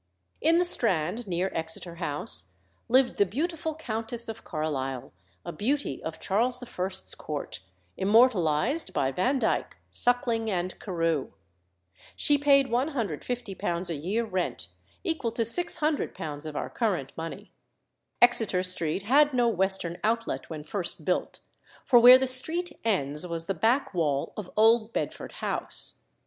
In the Strand, near Exeter House, lived the beautiful Countess of Carlisle, a beauty of Charles I.'s court, immortalised by Vandyke, Suckling, and Carew. She paid £150 a year rent, equal to £600 of our current money. Exeter Street had no western outlet when first built; for where the street ends was the back wall of old Bedford House.